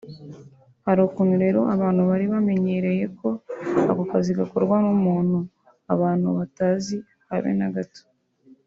hari ukuntu rero abantu bari bamenyereye ko ako kazi gakorwa n’umuntu abantu batazi habe na gato